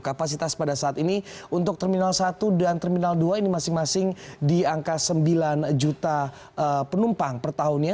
kapasitas pada saat ini untuk terminal satu dan terminal dua ini masing masing di angka sembilan juta penumpang per tahunnya